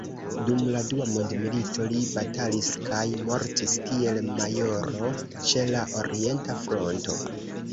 Dum la dua mondmilito li batalis kaj mortis kiel majoro ĉe la orienta fronto.